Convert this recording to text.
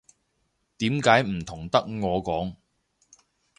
點解唔同得我講